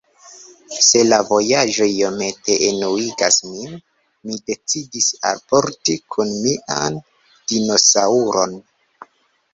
Se la vojaĝo iomete enuigas min, mi decidis alporti kun mian dinosaŭron.